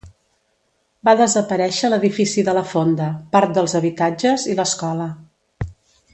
Va desaparèixer l'edifici de la Fonda, part dels habitatges i l'escola.